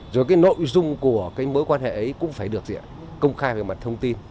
rồi cái nội dung của cái mối quan hệ ấy cũng phải được diện công khai về mặt thông tin